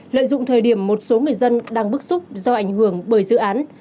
lợi dụng thời điểm một số người dân đang bức xúc do ảnh hưởng bởi dự án